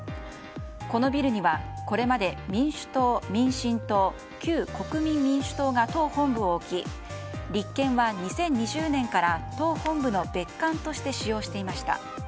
このビルにはこれまで民主党、民進党旧国民民主党が党本部を置き立憲は２０２０年から党本部の別館として使用していました。